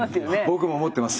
僕も思ってます。